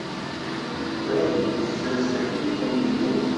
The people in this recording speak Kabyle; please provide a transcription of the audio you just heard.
Kṛaḍ n wussan sakin, Tom yemmut.